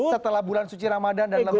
setelah bulan suci ramadan dan lebaran